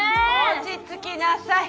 落ち着きなさい。